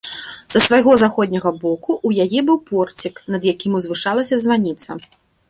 Са свайго заходняга боку ў яе быў порцік, над якім узвышалася званіца.